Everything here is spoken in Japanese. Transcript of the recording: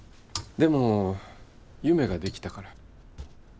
でも夢ができたから。